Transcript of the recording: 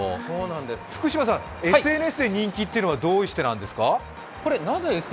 福島さん、ＳＮＳで人気というのはどうしてなんですか？